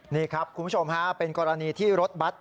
นี่ครับคุณผู้ชมฮะเป็นกรณีที่รถบัตร